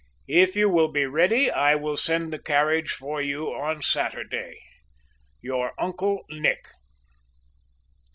If you will be ready I will send the carriage for you on Saturday. "YOUR UNCLE NICK."